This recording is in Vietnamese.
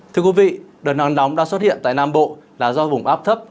thưa quý vị đợt nắng nóng đang xuất hiện tại nam bộ là do vùng áp thấp